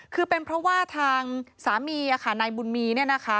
คือเป็นเพราะว่าทางสามีนายบุญมีเนี่ยนะคะ